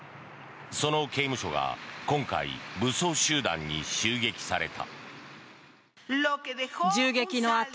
その刑務所が今回、武装集団に襲撃された。